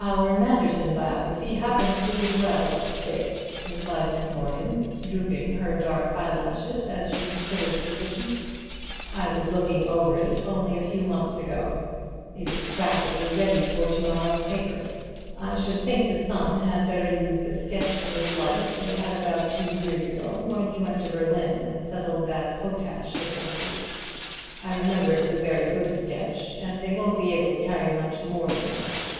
"Our Manderson biography happens to be well up to date," replied Miss Morgan, drooping her dark eye lashes as she considered the position. "I was looking over it only a few months ago. It is practically ready for to morrow's paper. I should think the Sun had better use the sketch of his life they had about two years ago, when he went to Berlin and settled the potash difficulty. I remember it was a very good sketch, and they won't be able to carry much more than that.